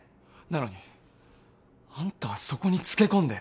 なのにあんたはそこにつけ込んで。